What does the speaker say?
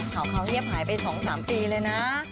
ข่าวเงียบหายไป๒๓ปีเลยนะ